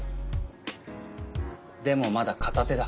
でもまだ片手だ。